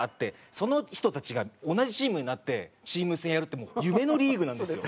その人たちが同じチームになってチーム戦やるってもう夢のリーグなんですよ。